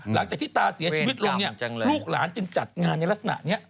หลังจากที่ตาเสียชีวิตลงเนี่ยลูกหลานจึงจัดงานในลักษณะนี้